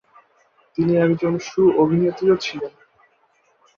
তিনি একজন সু-অভিনেত্রীও ছিলেন।